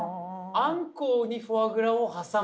あんこうにフォアグラを挟む？